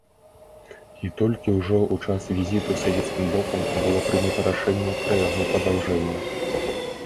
І толькі ўжо ў час візіту савецкім бокам было прынята рашэнне пра яго падаўжэнне.